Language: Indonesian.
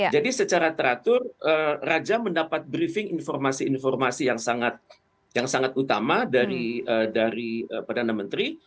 jadi secara teratur raja mendapat briefing informasi informasi yang sangat utama dari perdana menteri